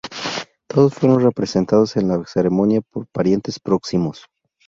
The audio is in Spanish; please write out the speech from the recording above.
Todos fueron representados en la ceremonia por parientes próximos.